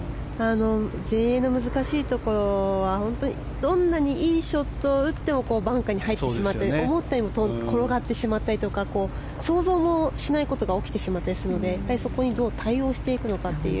全英の難しいところはどんなにいいショットを打ってもバンカーに入ってしまったり思ったよりも転がってしまったりとか想像もしないことが起きてしまったりするのでそこにどう対応していくのかという。